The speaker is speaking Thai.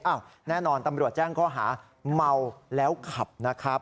แน่นอนตำรวจแจ้งข้อหาเมาแล้วขับนะครับ